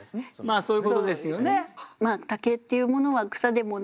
まあそういうことですよね。